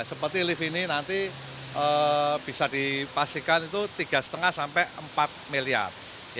seperti lift ini nanti bisa dipastikan itu tiga lima sampai empat miliar